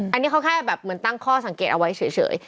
อันนี้เขาแค่แบบเหมือนตั้งข้อสังเกตเอาไว้เฉย